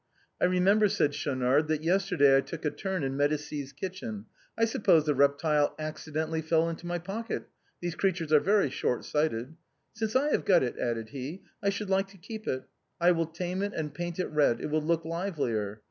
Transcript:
" I remember," said Schaunard, "that yesterday I took a turn in Medicis' kitchen, I suppose the reptile acci dentally fell into my pocket, these creatures are very short sighted. Since I have got it," added he, " I should like to keep it ; I will tame it and paint it red, it will look livelier.